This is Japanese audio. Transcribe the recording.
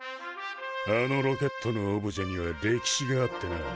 あのロケットのオブジェには歴史があってな。